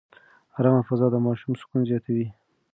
ارامه فضا د ماشوم سکون زیاتوي.